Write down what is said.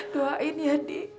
doain ya adi